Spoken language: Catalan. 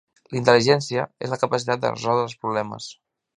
L'Intel•ligència és la capacitat de resoldre els problemes